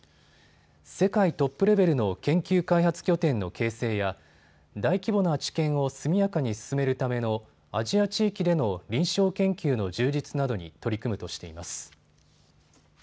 世界トップレベルの研究開発拠点の形成や大規模な治験を速やかに進めるためのアジア地域での臨床研究の充実などに取り組むとしています。